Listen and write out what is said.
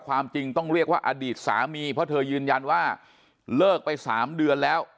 ความจริงต้องเรียกว่าอดีตสามีเพราะเธอยืนยันว่าเลิกไป๓เดือนแล้ว